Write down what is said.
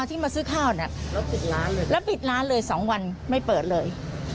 อีกสองวันไม่เปิดเลย